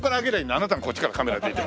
あなたがこっちからカメラでいて。